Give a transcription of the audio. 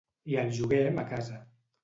I el juguem a casa.